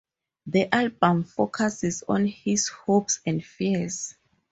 The album focuses on his hopes and fears.